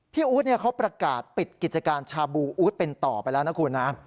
อู๊ดเขาประกาศปิดกิจการชาบูอู๊ดเป็นต่อไปแล้วนะคุณนะ